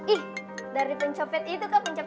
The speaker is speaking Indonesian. ih dari pencopet itu ke pencopet